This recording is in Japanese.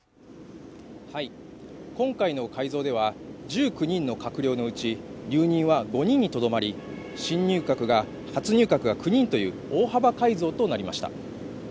今回の改造では１９人の閣僚のうち留任は５人にとどまり初入閣が９人という大幅改造となりました